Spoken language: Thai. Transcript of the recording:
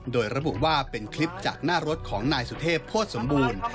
โดยระบุว่าเป็นคลิปจากหน้ารถของนายสุเทพโภษสมบูรณ์